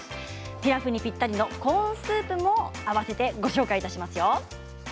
ピラフにぴったりのコーンスープも合わせてご紹介いたしますよ。